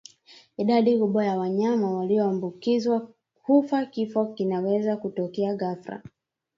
idadi kubwa ya wanyama walioambukizwa hufa Kifo kinaweza kutokea ghafla